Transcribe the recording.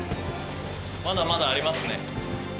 まだまだありますね。